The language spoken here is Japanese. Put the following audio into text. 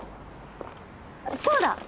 そうだ！